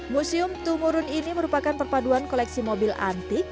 museum tumurun ini merupakan perpaduan koleksi mobil antik